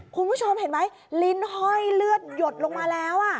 คุณผู้ชมเห็นไหมลิ้นห้อยเลือดหยดลงมาแล้ว